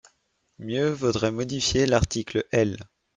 Mieux vaudrait modifier l’article L.